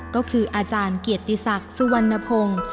ก็คืออาจารย์เกียรติศักดิ์สุวรรณพงศ์